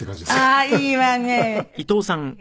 ああいいわね。